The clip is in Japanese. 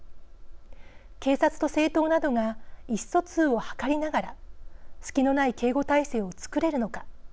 警察と政党などが意思疎通を図りながら「隙」のない警護態勢を作れるのか。